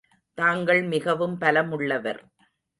தாங்கள் மிகவும் பலமுள்ளவர்.